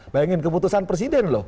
bayangin keputusan presiden